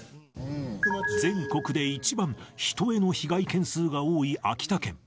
全国で一番人への被害件数が多い秋田県。